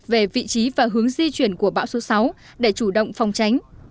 về vị trí và hướng di chuyển của bão số sáu để chủ động phòng tránh